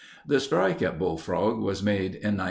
The strike at Bullfrog was made in 1904.